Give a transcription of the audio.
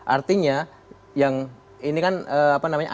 artinya yang ini kan anies ya